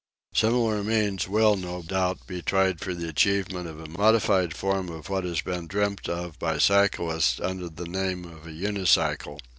Similar means will, no doubt, be tried for the achievement of a modified form of what has been dreamt of by cyclists under the name of a unicycle.